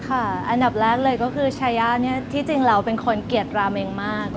อันดับแรกเลยก็คือชายะที่จริงเราเป็นคนเกลียดราเมงมาก